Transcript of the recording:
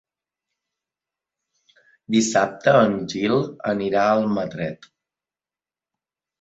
Dissabte en Gil anirà a Almatret.